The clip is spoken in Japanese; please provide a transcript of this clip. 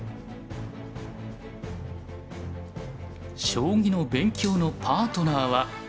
将棋の勉強のパートナーは。